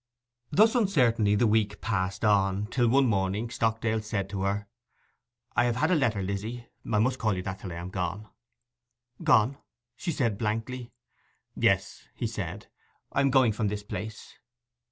Thus uncertainly the week passed on; till one morning Stockdale said to her: 'I have had a letter, Lizzy. I must call you that till I am gone.' 'Gone?' said she blankly. 'Yes,' he said. 'I am going from this place.